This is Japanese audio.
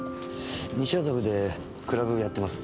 西麻布でクラブやってます。